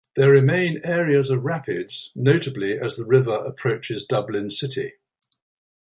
There remain areas of rapids, notably as the river approaches Dublin city.